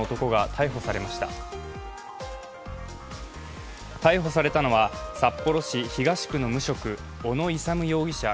逮捕されたのは、札幌市東区の無職小野勇容疑者